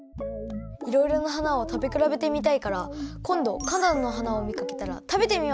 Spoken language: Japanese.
いろいろな花を食べくらべてみたいからこんど花だんの花をみかけたら食べてみます。